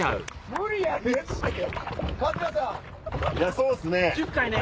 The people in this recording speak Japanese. そうですね。